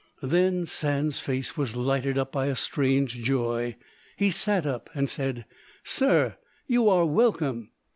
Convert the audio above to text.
Then Sand's face was lighted up by a strange joy; he sat up and said, "Sir, you are welcome."